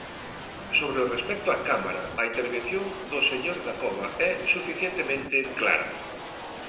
Sobre o respecto á Cámara, a intervención do señor Dacova é suficientemente clara.